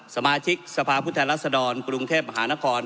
สมาชิกสภาพุทธแหละศดรกรุงเทพหานคร